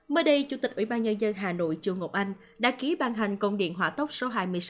mới đây chủ tịch ubnd hà nội trương ngọc anh đã ký ban hành công điện hòa tốc số hai mươi sáu